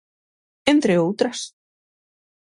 Entre outras.